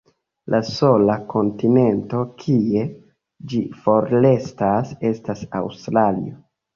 La sola kontinento kie ĝi forestas estas Aŭstralio.